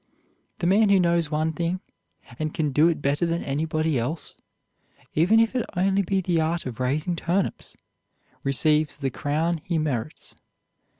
The man who knows one thing, and can do it better than anybody else, even if it only be the art of raising turnips, receives the crown he merits.